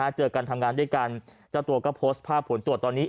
เจอกันทำงานด้วยกันเจ้าตัวก็โพสต์ภาพผลตรวจตอนนี้